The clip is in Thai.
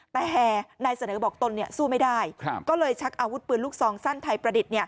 แต่แห่นายเสนอบอกตนสู้ไม่ได้ก็เลยชักอาวุธปืนลูกซองสั้นไทยประดิษฐ์